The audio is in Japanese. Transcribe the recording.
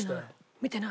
見てない。